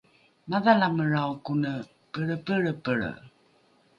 madhalamelrao kone pelrepelrepelre